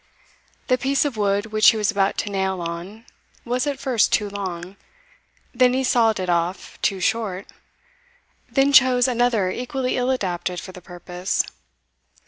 The piece of wood which he was about to nail on was at first too long; then he sawed it off too short, then chose another equally ill adapted for the purpose.